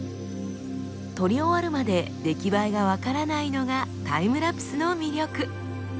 撮り終わるまで出来栄えが分からないのがタイムラプスの魅力！